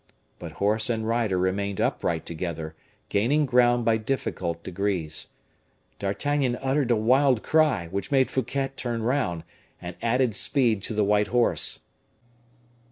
But horse and rider remained upright together, gaining ground by difficult degrees. D'Artagnan uttered a wild cry, which made Fouquet turn round, and added speed to the white horse.